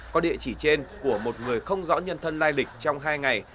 có địa chỉ trên của một người không rõ nhân thân lai lịch trong hai ngày